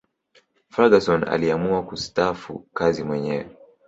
ferguson aliamua kusitaafu kazi mwenyewe